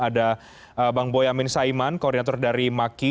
ada bang boyamin saiman koordinator dari maki